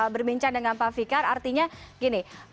berbincang dengan pak fikar artinya gini